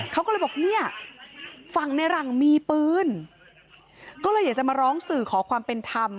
เขาก็เลยบอกเนี่ยฝั่งในหลังมีปืนก็เลยอยากจะมาร้องสื่อขอความเป็นธรรม